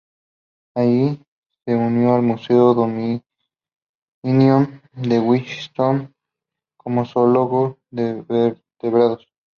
Allí se unió al "Museo Dominion de Wellington" como zoólogo de vertebrados.